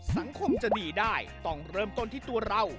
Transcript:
สังคมจะดีได้ต้องเริ่มต้นที่ตัวเรา